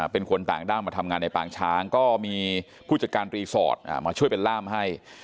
เป็นคนต่างด้าวมาทำงานในปางช้างก็มีผู้จัดการรีสอร์ทมาช่วยเป็นล่ามให้